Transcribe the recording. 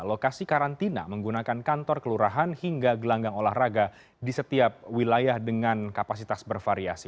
lokasi karantina menggunakan kantor kelurahan hingga gelanggang olahraga di setiap wilayah dengan kapasitas bervariasi